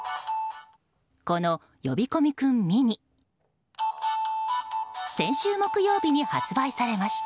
この呼び込み君ミニ先週木曜日に発売されました。